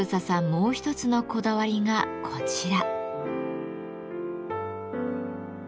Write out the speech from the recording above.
もう一つのこだわりがこちら。